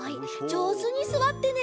じょうずにすわってね！